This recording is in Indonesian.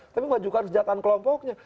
tapi memajukan kesejahteraan kelompoknya